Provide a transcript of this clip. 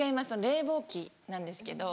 冷房機なんですけど。